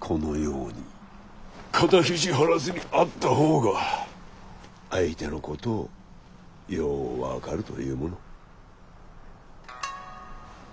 このように肩肘張らずに会った方が相手のことをよう分かるというもの。